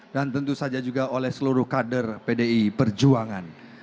dan tentu saja juga oleh seluruh kader pdi perjuangan